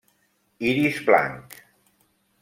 Iris blanc.